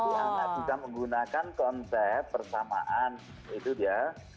tapi anak kita menggunakan konsep persamaan itu dia